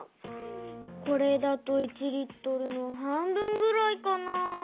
これだと１Ｌのはんぶんぐらいかな？